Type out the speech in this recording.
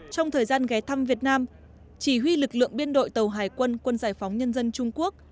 trong thời gian ghé thăm việt nam chỉ huy lực lượng biên đội tàu hải quân quân giải phóng nhân dân trung quốc